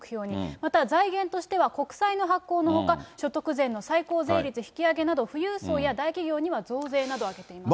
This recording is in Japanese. また、財源としては国債の発行のほか、所得税の最高税率引き上げなど、富裕層や大企業には増税などを挙げています。